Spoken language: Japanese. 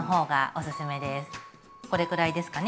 これくらいですかね。